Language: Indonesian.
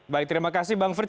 baik terima kasih bang frits